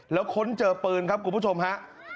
แล้วค้นเจอปืนครับคุณผู้ชมฮะ